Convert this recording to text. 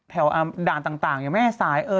แถวด่านต่างสาย